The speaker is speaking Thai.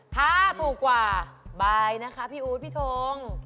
ถ้าถูกกว่าบายนะคะพี่อู๊ดพี่ทง